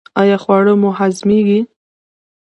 ایا خواړه مو هضمیږي؟